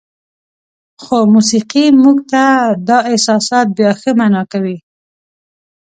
خو موسیقي موږ ته دا احساسات بیا ښه معنا کوي.